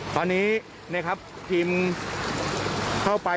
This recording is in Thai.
ตอนนี้ทีมเข้าไป